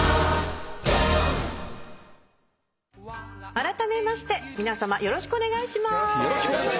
あらためまして皆さまよろしくお願いします。